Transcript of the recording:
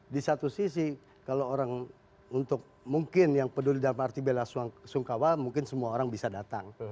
di satu sisi kalau orang untuk mungkin yang peduli dalam arti bela sungkawa mungkin semua orang bisa datang